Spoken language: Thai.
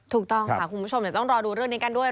ถูกต้องค่ะคุณผู้ชมเดี๋ยวต้องรอดูเรื่องนี้กันด้วย